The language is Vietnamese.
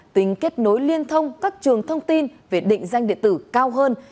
tính kết nối liên thông các trường thông tin về định danh điện tử cao hơn